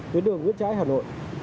tuyến đường nguyễn trãi hà nội